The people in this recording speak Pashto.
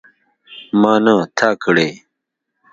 ما نه تا کړی.